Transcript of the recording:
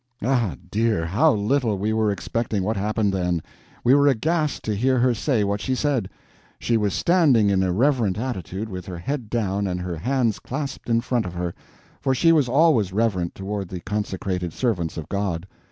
Ah, dear, how little we were expecting what happened then! We were aghast to hear her say what she said. She was standing in a reverent attitude, with her head down and her hands clasped in front of her; for she was always reverent toward the consecrated servants of God.